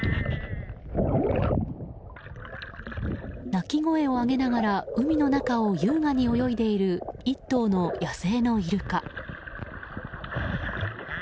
鳴き声を上げながら海の中を優雅に泳いでいる１頭の野生のイルカ。